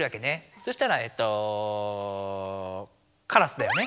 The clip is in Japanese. そしたらえっと「カラス」だよね。